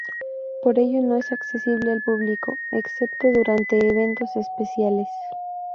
Por ello no es accesible al público, excepto durante eventos especiales.